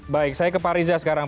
baik saya ke pak riza sekarang